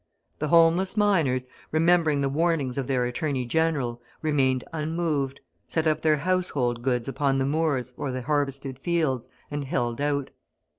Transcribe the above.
The homeless miners, remembering the warnings of their Attorney General, remained unmoved, set up their household goods upon the moors or the harvested fields, and held out.